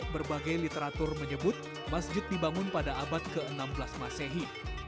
berbagai literatur menyebut masjid dibangun pada abad ke enam belas masehi